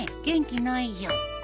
元気ないじゃん。